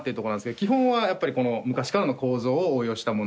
基本はやっぱりこの昔からの構造を応用したもの。